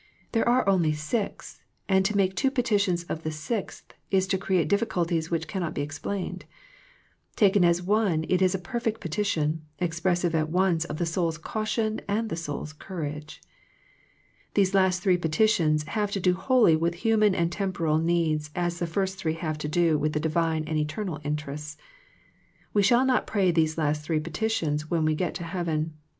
There are only six, and to make two petitions of the sixth is to create difficulties which cannot be explained. Taken as one it is a perfect petition, expressive at once of the soul's caution and the soul's courage. These last three petitions have to do wholly with human and temporal needs as the three first have to do with the Divine and eternal interests. We shall not pray these last three petitions when we get to heaven.